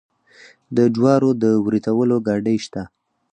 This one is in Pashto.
د جوارو د وریتولو ګاډۍ شته.